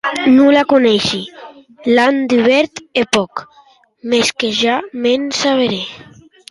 Non la coneishi; l’an dubèrt hè pòc; mès que ja m’en saberè.